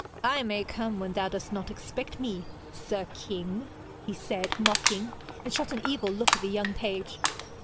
'I may come when thou dost not expect me, sir king!' he said, mocking, and shot an evil look at the young page.